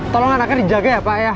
tolong anaknya dijaga ya pak ya